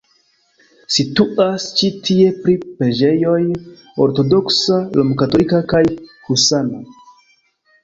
Situas ĉi tie tri preĝejoj: ortodoksa, romkatolika kaj husana.